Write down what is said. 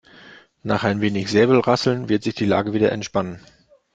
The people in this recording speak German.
Nach ein wenig Säbelrasseln wird sich die Lage wieder entspannen.